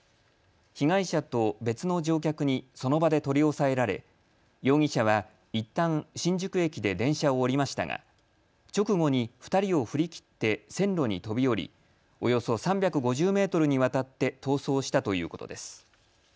被害者と別の乗客にその場で取り押さえられ、容疑者はいったん新宿駅で電車を降りましたが直後に２人を振り切って線路に飛び降り、およそ３５０メートルにわたって逃走したということです。